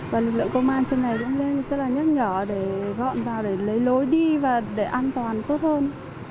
và lực lượng công an trên này cũng sẽ là nhắc nhở để gọn vào để lấy lối đi và để an toàn tốt hơn